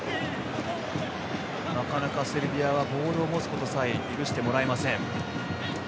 なかなか、セルビアはボールを持つことすら許してもらえません。